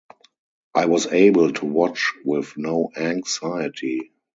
I was able to watch with no anxiety.